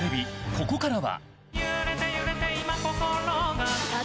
ここからは。